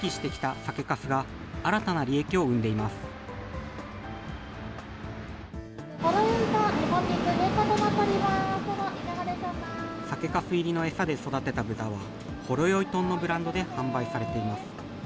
酒かす入りの餌で育てた豚は、ほろよいとんのブランドで販売されています。